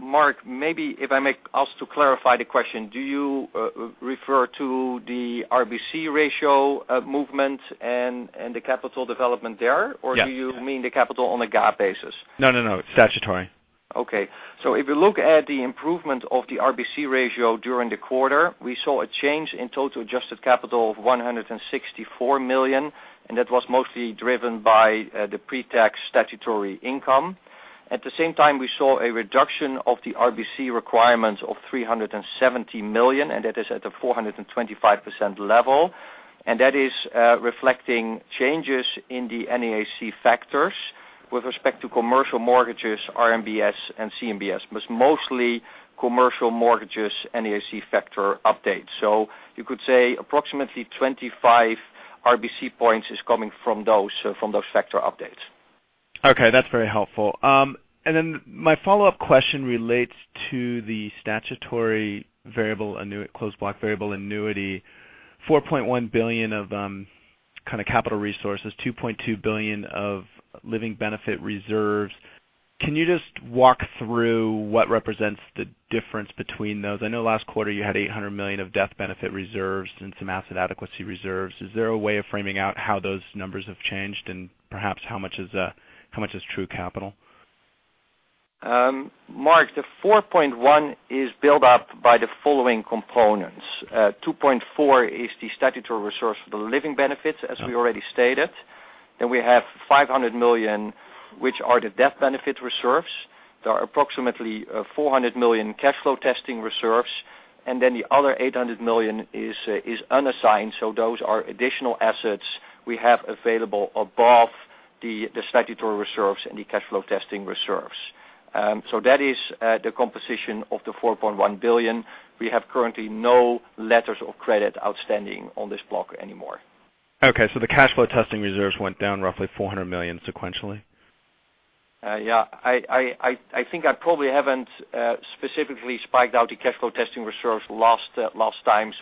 [SPEAKER 5] Mark, maybe if I may ask to clarify the question, do you refer to the RBC ratio movement and the capital development there?
[SPEAKER 8] Yeah.
[SPEAKER 5] Do you mean the capital on a GAAP basis?
[SPEAKER 8] No, statutory.
[SPEAKER 5] Okay. If you look at the improvement of the RBC ratio during the quarter, we saw a change in total adjusted capital of $164 million. That was mostly driven by the pre-tax statutory income. At the same time, we saw a reduction of the RBC requirements of $370 million. That is at the 425% level, and that is reflecting changes in the NAIC factors with respect to commercial mortgages, RMBS, and CMBS, but mostly commercial mortgages NAIC factor updates. You could say approximately 25 RBC points is coming from those factor updates.
[SPEAKER 8] Okay, that's very helpful. My follow-up question relates to the statutory variable annuity, Closed Block Variable Annuity, $4.1 billion of capital resources, $2.2 billion of living benefit reserves. Can you just walk through what represents the difference between those? I know last quarter you had $800 million of death benefit reserves and some asset adequacy reserves. Is there a way of framing out how those numbers have changed and perhaps how much is true capital?
[SPEAKER 5] Mark, the 4.1 is built up by the following components. 2.4 is the statutory reserves for the living benefits, as we already stated. We have $500 million, which are the death benefit reserves. There are approximately $400 million cash flow testing reserves, the other $800 million is unassigned. Those are additional assets we have available above the statutory reserves and the cash flow testing reserves. That is the composition of the $4.1 billion. We have currently no letters of credit outstanding on this block anymore.
[SPEAKER 8] The cash flow testing reserves went down roughly $400 million sequentially?
[SPEAKER 5] I think I probably haven't specifically spelled out the cash flow testing reserves last time,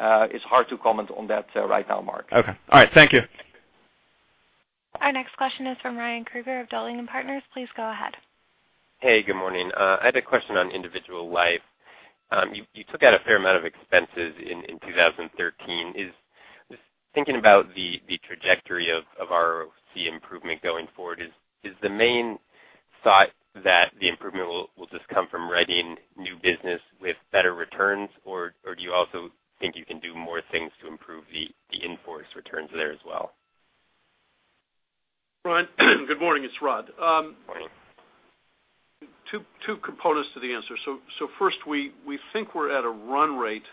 [SPEAKER 5] it's hard to comment on that right now, Mark.
[SPEAKER 8] All right. Thank you.
[SPEAKER 1] Our next question is from Ryan Krueger of Dowling & Partners. Please go ahead.
[SPEAKER 9] Hey, good morning. I had a question on Individual Life. You took out a fair amount of expenses in 2013. Thinking about the trajectory of ROC improvement going forward, is the main thought that the improvement will just come from writing new business with better returns? Or do you also think you can do more things to improve the in-force returns there as well?
[SPEAKER 3] Ryan, good morning. It's Rod.
[SPEAKER 9] Morning.
[SPEAKER 3] Two components to the answer. First, we think we're at a run rate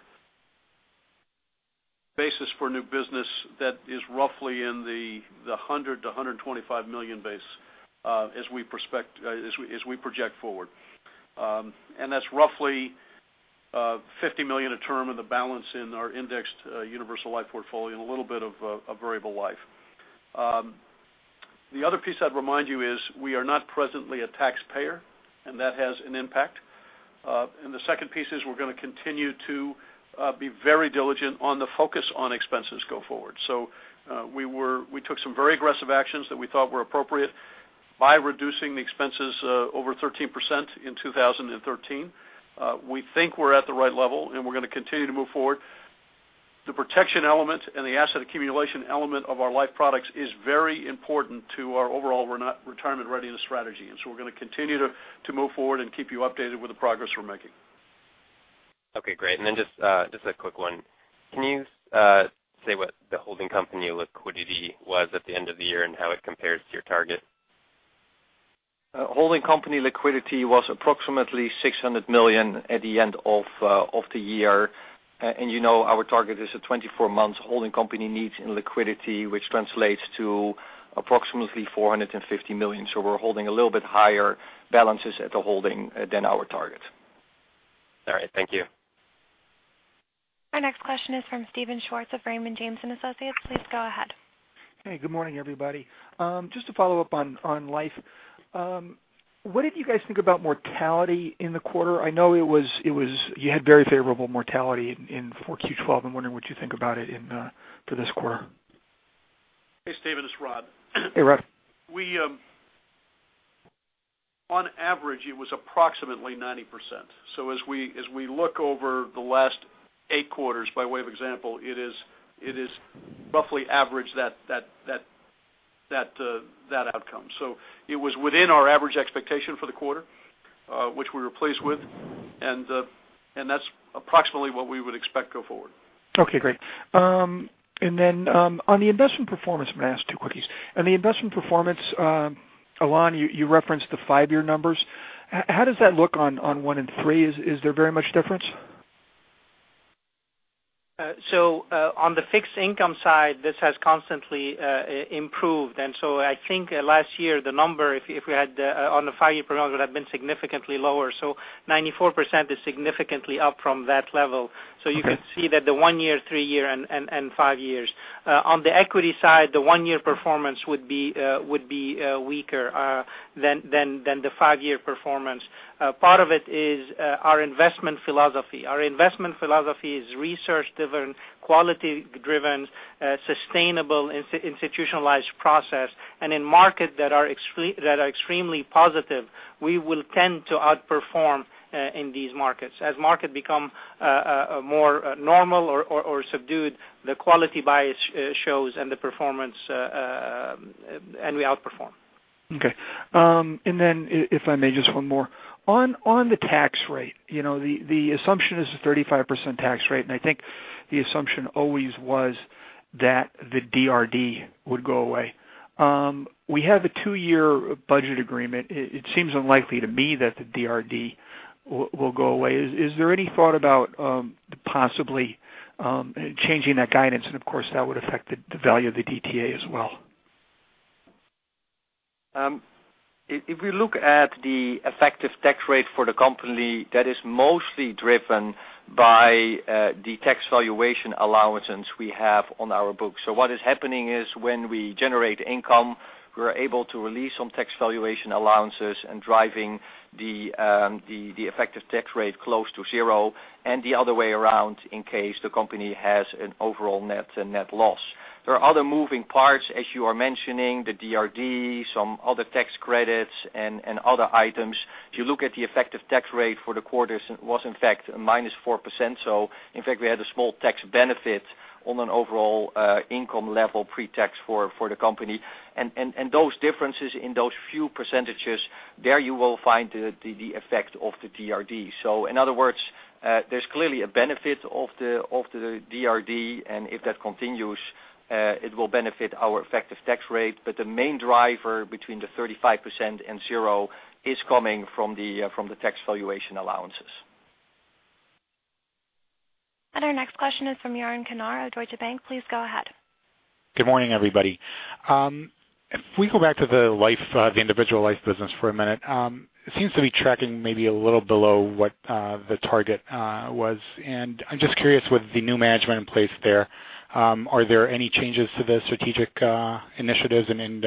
[SPEAKER 3] basis for new business that is roughly in the $100 million-$125 million base as we project forward. That's roughly $50 million a term of the balance in our Indexed Universal Life portfolio and a little bit of variable life. The other piece I'd remind you is we are not presently a taxpayer, and that has an impact. The second piece is we're going to continue to be very diligent on the focus on expenses go forward. We took some very aggressive actions that we thought were appropriate. By reducing the expenses over 13% in 2013. We think we're at the right level, and we're going to continue to move forward. The protection element and the asset accumulation element of our life products is very important to our overall retirement readiness strategy. We're going to continue to move forward and keep you updated with the progress we're making.
[SPEAKER 9] Okay, great. Just a quick one. Can you say what the holding company liquidity was at the end of the year and how it compares to your target?
[SPEAKER 5] Holding company liquidity was approximately $600 million at the end of the year. You know our target is a 24 months holding company needs in liquidity, which translates to approximately $450 million. We're holding a little bit higher balances at the holding than our target.
[SPEAKER 9] All right. Thank you.
[SPEAKER 1] Our next question is from Steven Schwartz of Raymond James & Associates. Please go ahead.
[SPEAKER 10] Hey, good morning, everybody. Just to follow up on life. What did you guys think about mortality in the quarter? I know you had very favorable mortality in 4Q 2012. I'm wondering what you think about it for this quarter.
[SPEAKER 3] Hey, Steven, it's Rod.
[SPEAKER 10] Hey, Rod.
[SPEAKER 3] On average, it was approximately 90%. As we look over the last eight quarters, by way of example, it is roughly average that outcome. It was within our average expectation for the quarter, which we were pleased with, and that's approximately what we would expect go forward.
[SPEAKER 10] Okay, great. On the investment performance, may I ask two quickies? On the investment performance, Alain, you referenced the five-year numbers. How does that look on one and three? Is there very much difference?
[SPEAKER 4] On the fixed income side, this has constantly improved, I think last year, the number, if we had on the five-year program, would have been significantly lower. 94% is significantly up from that level.
[SPEAKER 10] Okay.
[SPEAKER 4] You can see that the one year, three year, and five years. On the equity side, the one-year performance would be weaker than the five-year performance. Part of it is our investment philosophy. Our investment philosophy is research-driven, quality-driven, sustainable, institutionalized process. In markets that are extremely positive, we will tend to outperform in these markets. As markets become more normal or subdued, the quality bias shows and the performance, and we outperform.
[SPEAKER 10] Okay. If I may, just one more. On the tax rate, the assumption is a 35% tax rate. I think the assumption always was that the DRD would go away. We have a two-year budget agreement. It seems unlikely to me that the DRD will go away. Is there any thought about possibly changing that guidance? Of course, that would affect the value of the DTA as well.
[SPEAKER 5] If we look at the effective tax rate for the company, that is mostly driven by the tax valuation allowances we have on our books. What is happening is when we generate income, we're able to release some tax valuation allowances and driving the effective tax rate close to zero, and the other way around in case the company has an overall net loss. There are other moving parts, as you are mentioning, the DRD, some other tax credits, and other items. If you look at the effective tax rate for the quarters, it was in fact -4%. In fact, we had a small tax benefit on an overall income level pre-tax for the company. Those differences in those few percentages, there you will find the effect of the DRD. In other words, there's clearly a benefit of the DRD, and if that continues, it will benefit our effective tax rate. The main driver between the 35% and zero is coming from the tax valuation allowances.
[SPEAKER 1] Our next question is from Yaron Kinar, Deutsche Bank. Please go ahead.
[SPEAKER 11] Good morning, everybody. If we go back to the Individual Life business for a minute, it seems to be tracking maybe a little below what the target was. I'm just curious, with the new management in place there, are there any changes to the strategic initiatives and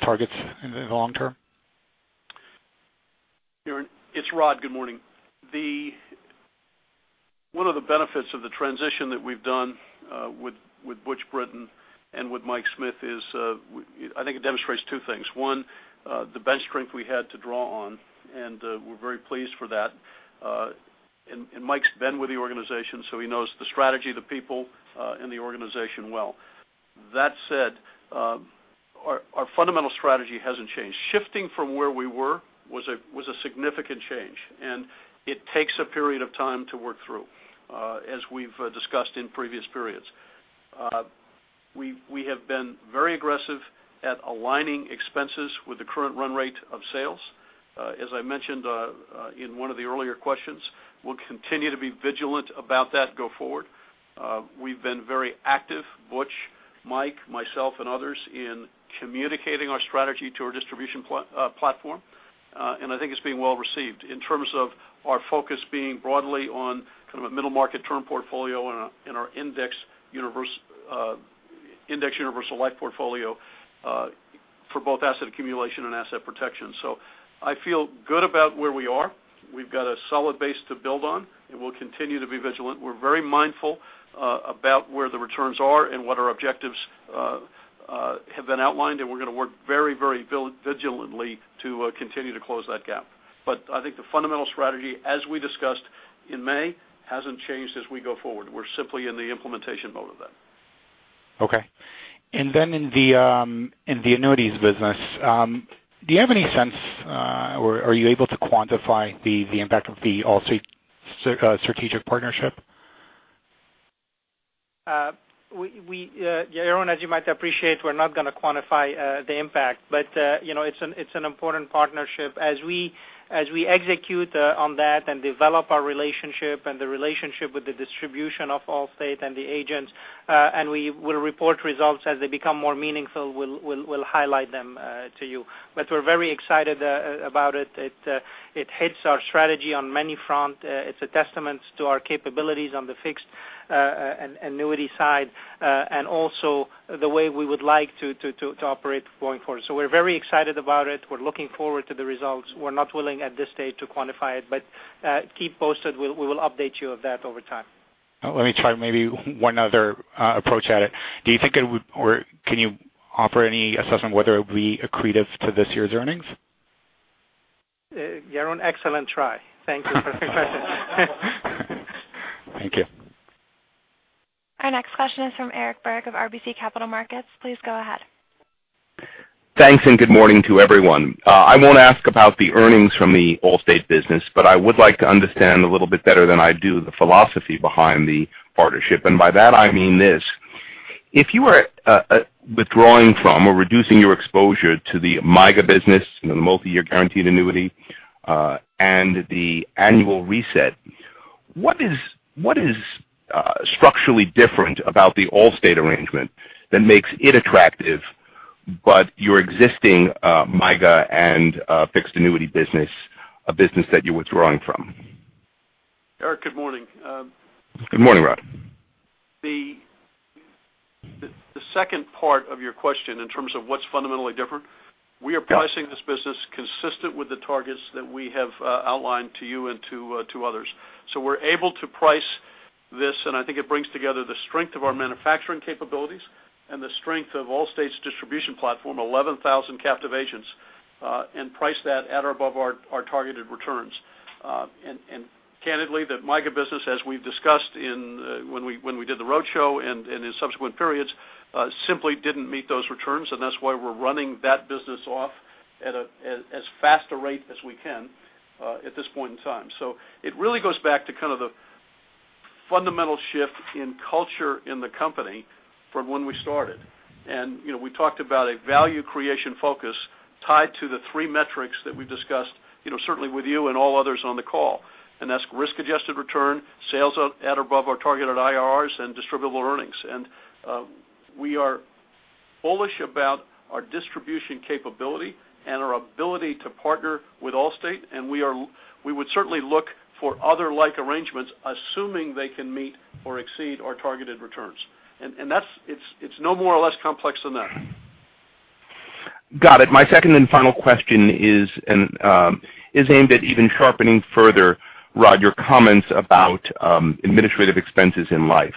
[SPEAKER 11] targets in the long term?
[SPEAKER 3] Yaron, it's Rod. Good morning. One of the benefits of the transition that we've done with Butch Brittain and with Michael Smith is, I think it demonstrates two things. One, the bench strength we had to draw on, we're very pleased for that. Mike's been with the organization, so he knows the strategy, the people, and the organization well. That said, our fundamental strategy hasn't changed. Shifting from where we were was a significant change, and it takes a period of time to work through, as we've discussed in previous periods. We have been very aggressive at aligning expenses with the current run rate of sales. As I mentioned in one of the earlier questions, we'll continue to be vigilant about that go forward. We've been very active, Butch, Mike, myself, and others, in communicating our strategy to our distribution platform, and I think it's being well received in terms of our focus being broadly on kind of a middle market term portfolio in our Indexed Universal Life portfolio for both asset accumulation and asset protection. I feel good about where we are. We've got a solid base to build on, and we'll continue to be vigilant. We're very mindful about where the returns are and what our objectives have been outlined, and we're going to work very vigilantly to continue to close that gap. I think the fundamental strategy, as we discussed in May, hasn't changed as we go forward. We're simply in the implementation mode of that.
[SPEAKER 11] Okay. In the annuities business, do you have any sense, or are you able to quantify the impact of the Allstate strategic partnership?
[SPEAKER 4] Yaron, as you might appreciate, we're not going to quantify the impact. It's an important partnership. As we execute on that and develop our relationship and the relationship with the distribution of Allstate and the agents, and we will report results as they become more meaningful, we'll highlight them to you. We're very excited about it. It hits our strategy on many front. It's a testament to our capabilities on the fixed annuity side, and also the way we would like to operate going forward. We're very excited about it. We're looking forward to the results. We're not willing at this stage to quantify it, but keep posted. We will update you of that over time.
[SPEAKER 11] Let me try maybe one other approach at it. Do you think it would, or can you offer any assessment whether it would be accretive to this year's earnings?
[SPEAKER 4] Yaron, excellent try. Thank you for the question.
[SPEAKER 11] Thank you.
[SPEAKER 1] Our next question is from Eric Berg of RBC Capital Markets. Please go ahead.
[SPEAKER 12] Thanks. Good morning to everyone. I won't ask about the earnings from the Allstate business, but I would like to understand a little bit better than I do the philosophy behind the partnership. By that, I mean this. If you are withdrawing from or reducing your exposure to the MYGA business, the multi-year guaranteed annuity, and the annual reset, what is structurally different about the Allstate arrangement that makes it attractive, but your existing MYGA and fixed annuity business, a business that you're withdrawing from?
[SPEAKER 3] Eric, good morning.
[SPEAKER 12] Good morning, Rod.
[SPEAKER 3] The second part of your question in terms of what's fundamentally different, we are pricing this business consistent with the targets that we have outlined to you and to others. We're able to price this, and I think it brings together the strength of our manufacturing capabilities and the strength of Allstate's distribution platform, 11,000 captive agents, and price that at or above our targeted returns. Candidly, that MYGA business, as we've discussed when we did the roadshow and in subsequent periods, simply didn't meet those returns, and that's why we're running that business off at as fast a rate as we can, at this point in time. It really goes back to kind of the fundamental shift in culture in the company from when we started. We talked about a value creation focus tied to the three metrics that we've discussed certainly with you and all others on the call, and that's risk-adjusted return, sales at or above our targeted IRRs, and distributable earnings. We are bullish about our distribution capability and our ability to partner with Allstate, and we would certainly look for other like arrangements, assuming they can meet or exceed our targeted returns. It's no more or less complex than that.
[SPEAKER 12] Got it. My second and final question is aimed at even sharpening further, Rod, your comments about administrative expenses in life.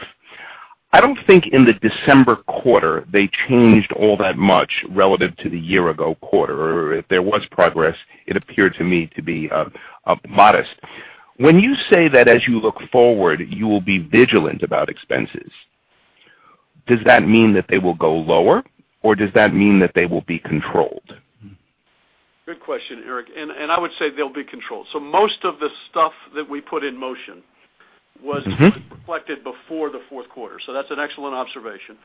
[SPEAKER 12] I don't think in the December quarter they changed all that much relative to the year-ago quarter. If there was progress, it appeared to me to be modest. When you say that as you look forward, you will be vigilant about expenses, does that mean that they will go lower, or does that mean that they will be controlled?
[SPEAKER 3] Good question, Eric. I would say they'll be controlled. Most of the stuff that we put in motion was reflected before the fourth quarter, that's an excellent observation.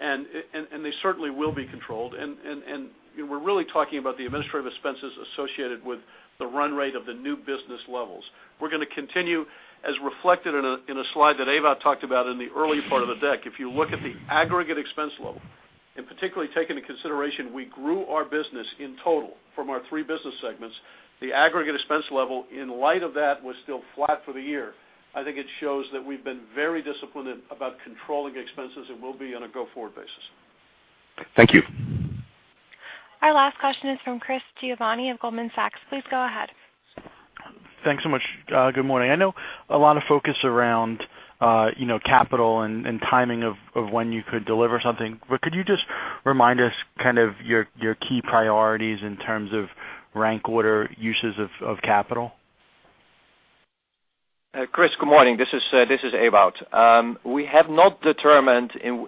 [SPEAKER 3] They certainly will be controlled. We're really talking about the administrative expenses associated with the run rate of the new business levels. We're going to continue, as reflected in a slide that Ewout talked about in the early part of the deck. If you look at the aggregate expense level, and particularly take into consideration we grew our business in total from our three business segments, the aggregate expense level in light of that was still flat for the year. I think it shows that we've been very disciplined about controlling expenses and will be on a go-forward basis.
[SPEAKER 12] Thank you.
[SPEAKER 1] Our last question is from Christopher Giovanni of Goldman Sachs. Please go ahead.
[SPEAKER 13] Thanks so much. Good morning. I know a lot of focus around capital and timing of when you could deliver something, but could you just remind us kind of your key priorities in terms of rank order uses of capital?
[SPEAKER 5] Chris, good morning. This is Ewout. We have not determined in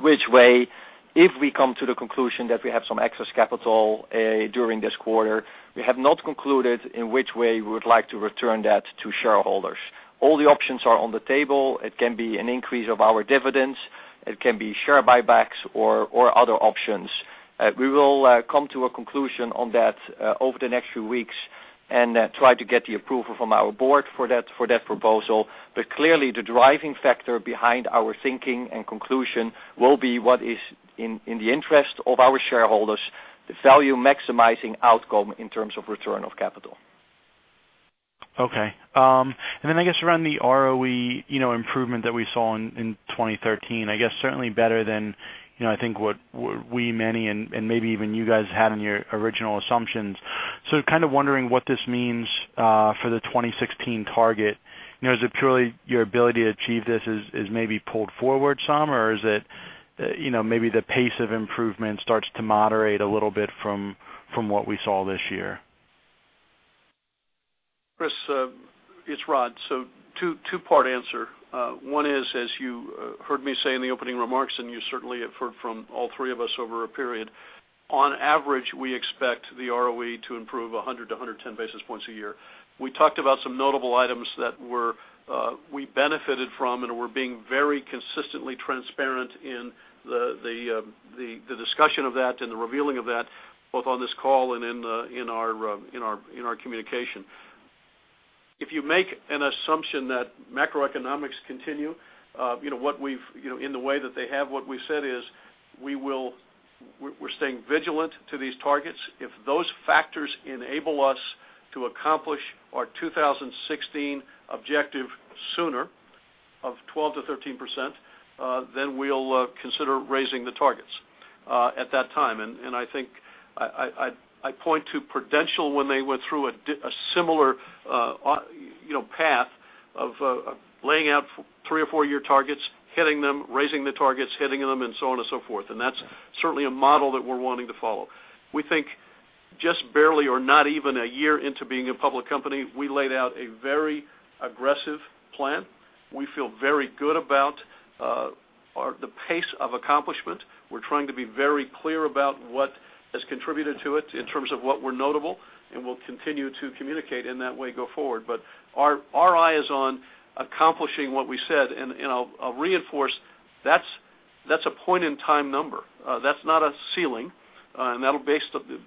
[SPEAKER 5] which way, if we come to the conclusion that we have some excess capital during this quarter, we have not concluded in which way we would like to return that to shareholders. All the options are on the table. It can be an increase of our dividends. It can be share buybacks or other options. We will come to a conclusion on that over the next few weeks and try to get the approval from our board for that proposal. Clearly, the driving factor behind our thinking and conclusion will be what is in the interest of our shareholders, the value-maximizing outcome in terms of return of capital.
[SPEAKER 13] Okay. I guess around the ROE improvement that we saw in 2013, I guess certainly better than I think what we many and maybe even you guys had in your original assumptions. Kind of wondering what this means for the 2016 target. Is it purely your ability to achieve this is maybe pulled forward some, or is it maybe the pace of improvement starts to moderate a little bit from what we saw this year?
[SPEAKER 3] Chris, it's Rod. Two-part answer. One is, as you heard me say in the opening remarks, and you certainly have heard from all three of us over a period, on average, we expect the ROE to improve 100-110 basis points a year. We talked about some notable items that we benefited from, and we're being very consistently transparent in the discussion of that and the revealing of that, both on this call and in our communication. If you make an assumption that macroeconomics continue in the way that they have, what we've said is we're staying vigilant to these targets. If those factors enable us to accomplish our 2016 objective sooner of 12%-13%, then we'll consider raising the targets at that time. I think I point to Prudential when they went through a similar path of laying out three or four year targets, hitting them, raising the targets, hitting them, and so on and so forth. That's certainly a model that we're wanting to follow. We think just barely or not even a year into being a public company, we laid out a very aggressive plan. We feel very good about the pace of accomplishment. We're trying to be very clear about what has contributed to it in terms of what were notable, and we'll continue to communicate in that way go forward. Our eye is on accomplishing what we said, and I'll reinforce, that's a point-in-time number. That's not a ceiling. That'll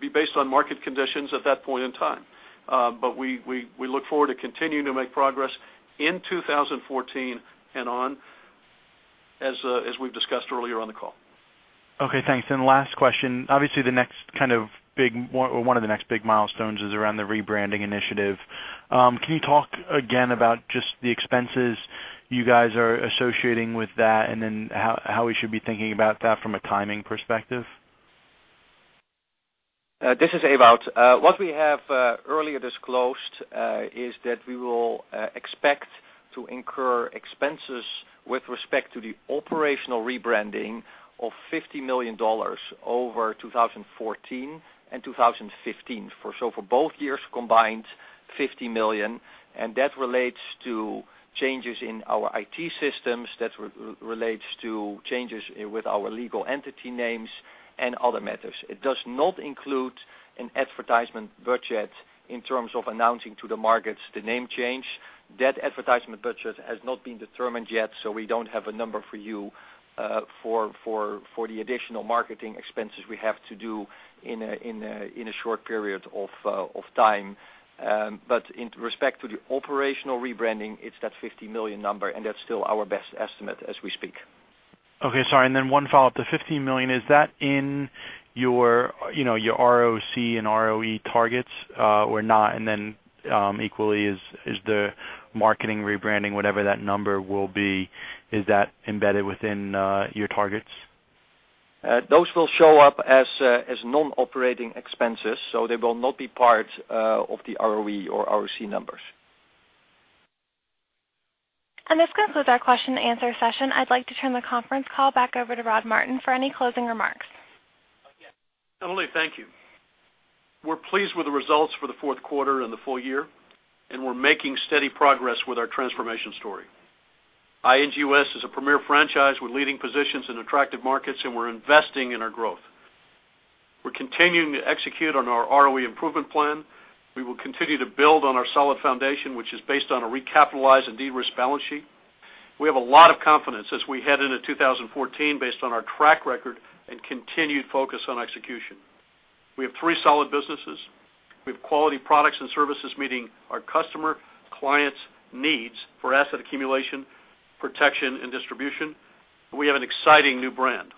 [SPEAKER 3] be based on market conditions at that point in time. We look forward to continuing to make progress in 2014 and on, as we've discussed earlier on the call.
[SPEAKER 13] Okay, thanks. Last question. Obviously, one of the next big milestones is around the rebranding initiative. Can you talk again about just the expenses you guys are associating with that, how we should be thinking about that from a timing perspective?
[SPEAKER 5] This is Ewout. What we have earlier disclosed is that we will expect to incur expenses with respect to the operational rebranding of $50 million over 2014 and 2015. For both years combined, $50 million, that relates to changes in our IT systems, that relates to changes with our legal entity names and other matters. It does not include an advertisement budget in terms of announcing to the markets the name change. That advertisement budget has not been determined yet, we don't have a number for you for the additional marketing expenses we have to do in a short period of time. In respect to the operational rebranding, it's that $50 million number, that's still our best estimate as we speak.
[SPEAKER 13] Okay, sorry. One follow-up. The $50 million, is that in your ROC and ROE targets or not? Equally is the marketing rebranding, whatever that number will be, is that embedded within your targets?
[SPEAKER 5] Those will show up as non-operating expenses, they will not be part of the ROE or ROC numbers.
[SPEAKER 1] This concludes our question and answer session. I'd like to turn the conference call back over to Rod Martin for any closing remarks.
[SPEAKER 3] Emily, thank you. We're pleased with the results for the fourth quarter and the full year. We're making steady progress with our transformation story. ING U.S. is a premier franchise with leading positions in attractive markets. We're investing in our growth. We're continuing to execute on our ROE improvement plan. We will continue to build on our solid foundation, which is based on a recapitalized and de-risked balance sheet. We have a lot of confidence as we head into 2014 based on our track record and continued focus on execution. We have three solid businesses. We have quality products and services meeting our customer clients' needs for asset accumulation, protection, and distribution. We have an exciting new brand.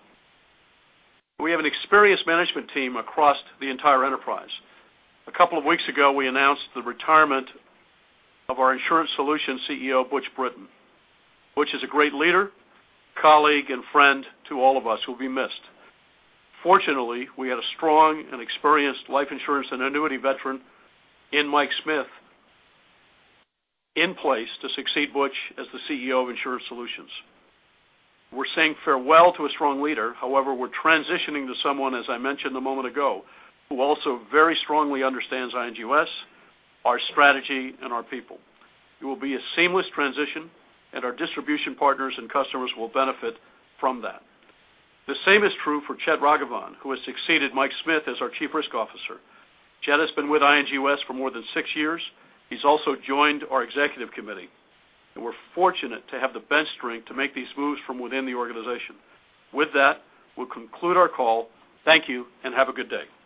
[SPEAKER 3] We have an experienced management team across the entire enterprise. A couple of weeks ago, we announced the retirement of our Insurance Solutions CEO, Butch Brittain, which is a great leader, colleague, and friend to all of us who will be missed. Fortunately, we had a strong and experienced life insurance and annuity veteran in Michael Smith in place to succeed Butch as the CEO of Insurance Solutions. We're saying farewell to a strong leader. However, we're transitioning to someone, as I mentioned a moment ago, who also very strongly understands ING U.S., our strategy, and our people. It will be a seamless transition. Our distribution partners and customers will benefit from that. The same is true for Chetlur Ragavan, who has succeeded Michael Smith as our Chief Risk Officer. Chet has been with ING U.S. for more than six years. He's also joined our executive committee. We're fortunate to have the bench strength to make these moves from within the organization. With that, we'll conclude our call. Thank you. Have a good day.